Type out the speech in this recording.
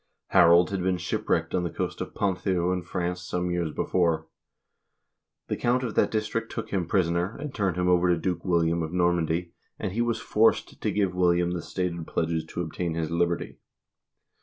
Harold had been shipwrecked on the coast of Ponthieu in France some years before. The count of that district took him prisoner, and turned him over to Duke Wil liam of Normandy, and he was forced to give William the stated pledges to obtain his liberty.